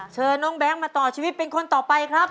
เชิญน้องแบงค์มาต่อชีวิตเป็นคนต่อไปครับ